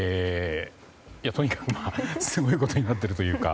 とにかく、すごいことになっているというか。